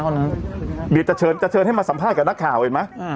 เดี๋ยวจะเชิญจะเชิญให้มาสัมภาษณ์กับนักข่าวเห็นไหม